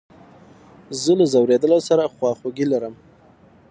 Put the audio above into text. زه له ځورېدلو سره خواخوږي لرم.